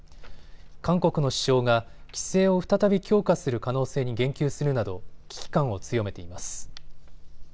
韓国の首相が規制を再び強化する可能性に言及するなど危機感を強めています。